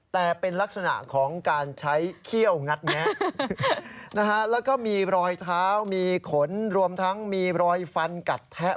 แต่เป็นลักษณะของการใช้เขี้ยวงัดแงะแล้วก็มีรอยเท้ามีขนรวมทั้งมีรอยฟันกัดแทะ